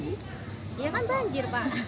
ya kan banjir pak